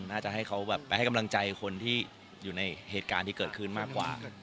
น่าจะให้เขาแบบไปให้กำลังใจคนที่อยู่ในเหตุการณ์ที่เกิดขึ้นมากกว่า